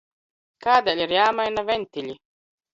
Kādēļ ir jāmaina ventiļi?